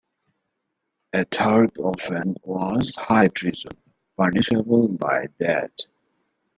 A third offence was high treason, punishable by death.